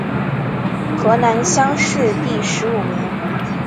河南乡试第十五名。